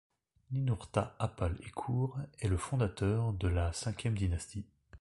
Ninourta-Apal-Ekur est le fondateur de la Ve dynastie.